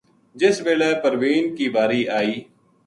جس بِلے پروین کی واری آئی